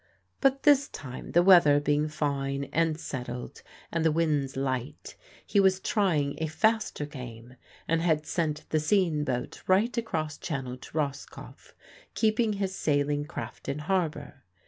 But this time the weather being fine and settled, and the winds light he was trying a faster game, and had sent the sean boat right across channel to Roscoff, keeping his sailing craft in harbour.